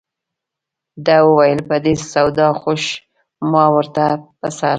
ده وویل په دې سودا خوښ ما ورته په سر.